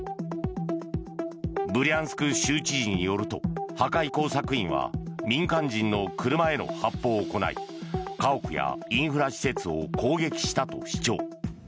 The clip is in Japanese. ブリャンスク州知事によると破壊工作員は民間人の車への発砲を行い家屋やインフラ施設を攻撃したと主張。